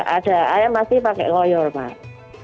ada ayam pasti pakai koyor pak